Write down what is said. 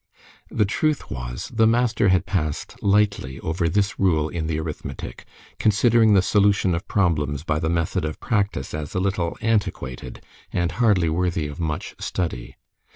The truth was, the master had passed lightly over this rule in the arithmetic, considering the solution of problems by the method of Practice as a little antiquated, and hardly worthy of much study.